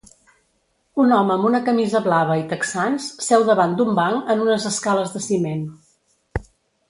Un home amb una camisa blava i texans seu davant d'un banc en unes escales de ciment.